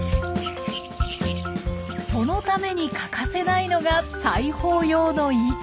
そのために欠かせないのが裁縫用の糸。